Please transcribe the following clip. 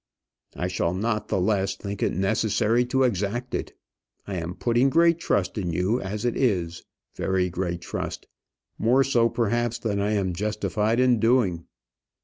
"I shall not the less think it necessary to exact it. I am putting great trust in you as it is, very great trust; more so perhaps than I am justified in doing."